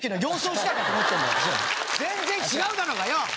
全然違うだろうがよ！